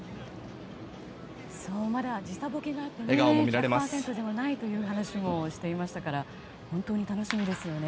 時差ボケがあってまだ１００％じゃないというお話もありましたから本当に楽しみですよね。